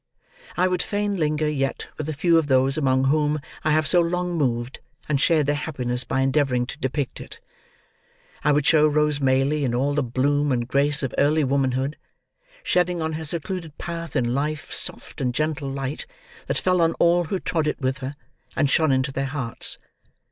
I would fain linger yet with a few of those among whom I have so long moved, and share their happiness by endeavouring to depict it. I would show Rose Maylie in all the bloom and grace of early womanhood, shedding on her secluded path in life soft and gentle light, that fell on all who trod it with her, and shone into their hearts.